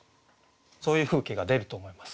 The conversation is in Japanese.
そういう風景が出ると思います。